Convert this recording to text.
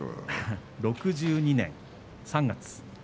６２年の３月。